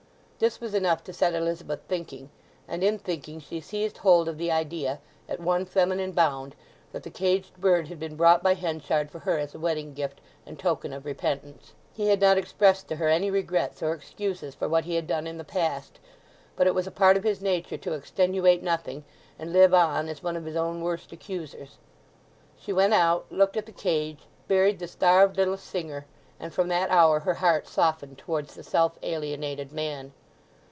This was enough to set Elizabeth thinking, and in thinking she seized hold of the idea, at one feminine bound, that the caged bird had been brought by Henchard for her as a wedding gift and token of repentance. He had not expressed to her any regrets or excuses for what he had done in the past; but it was a part of his nature to extenuate nothing, and live on as one of his own worst accusers. She went out, looked at the cage, buried the starved little singer, and from that hour her heart softened towards the self alienated man.